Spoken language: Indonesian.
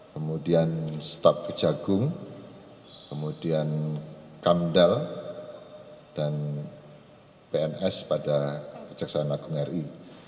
kemudian staf kejagung kemudian kamdal dan pns pada kejaksaan agung ri